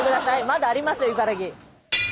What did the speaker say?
まだありますよ茨城。